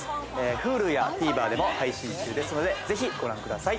ＨｕｌｕやＴＶｅｒでも配信中ですので、ぜひご覧ください。